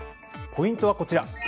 ポイントはこちら。